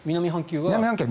南半球は。